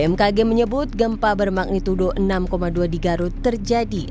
bmkg menyebut gempa bermagnitudo enam dua di garut terjadi